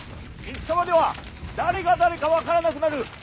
戦場では誰が誰か分からなくなる。